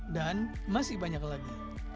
dan masih banyak lagi